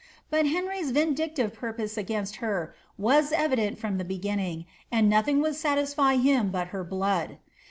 But Henry'k vindictive purpose against her was evident from the beginning, and nothing would satisfy him but her blood.